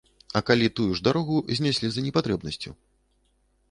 А калі тую ж дарогу знеслі за непатрэбнасцю?